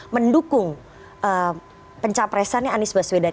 mendukung pencapresannya anies baswedan